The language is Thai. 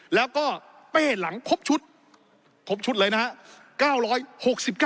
แล้วก็เป้หลังครบชุดครบชุดเลยนะครับ